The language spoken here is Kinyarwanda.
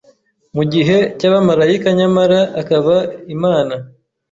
mugihe cyabamarayika nyamara akaba Imana